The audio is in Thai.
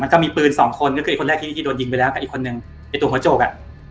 ก็มีปืนสองคนก็คือคนแรกที่ที่โดนยิงไปแล้วกับอีกคนนึงไอ้ตัวหัวโจกอ่ะ